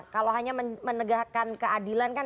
kalau hanya menegakkan keadilan kan